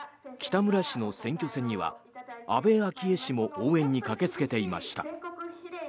北村氏の選挙戦には安倍昭恵氏も応援に駆けつけていました。